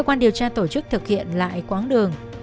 cơ quan điều tra tổ chức thực hiện lại quãng đường